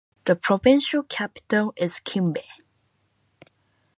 The provincial capital is Kimbe.